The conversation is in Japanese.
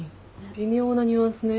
微妙なニュアンスね。